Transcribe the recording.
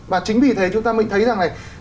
và chính vì thế chúng ta mình thấy rằng này